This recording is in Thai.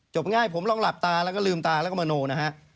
ง่ายผมลองหลับตาแล้วก็ลืมตาแล้วก็มโนนะฮะ